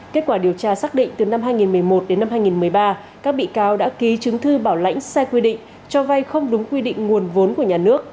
kết quả điều tra xác định từ năm hai nghìn một mươi một đến năm hai nghìn một mươi ba các bị cáo đã ký chứng thư bảo lãnh sai quy định cho vay không đúng quy định nguồn vốn của nhà nước